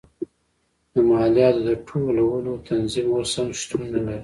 د مالیاتو د ټولولو تنظیم اوس هم شتون نه لري.